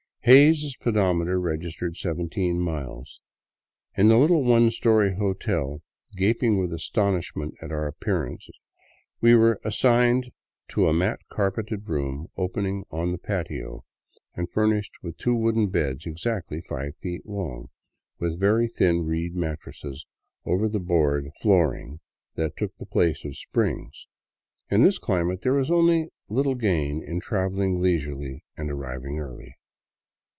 Hays' pedometer registered seventeen miles. In the little one story " hotel," gaping with astonishmefnt at our appearance, we were as signed to a mat carpeted room opening on the patio, and furnished with two wooden beds exactly five feet long, with very thin reed mat tresses over the board flooring that took the place of springs. In this climate there was little gain in traveling leisurely and arriving early.